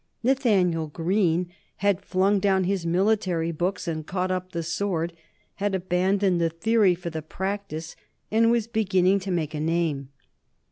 Nathaniel Greene had flung down his military books and caught up the sword, had abandoned the theory for the practice, and was beginning to make a name.